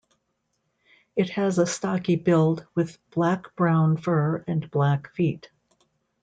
It has a stocky build with black-brown fur and black feet.